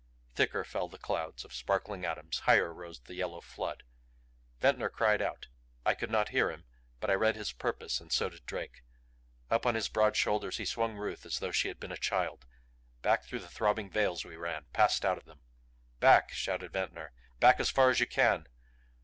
Thicker fell the clouds of sparkling atoms higher rose the yellow flood. Ventnor cried out. I could not hear him, but I read his purpose and so did Drake. Up on his broad shoulders he swung Ruth as though she had been a child. Back through the throbbing veils we ran; passed out of them. "Back!" shouted Ventnor. "Back as far as you can!"